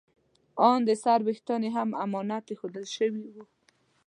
ان د سر ویښتان یې هم امانت ایښودل شوي وو.